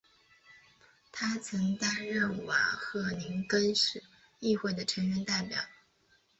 他曾担任瓦赫宁根市议会的成员代表。